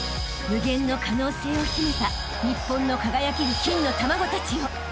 ［無限の可能性を秘めた日本の輝ける金の卵たちよ］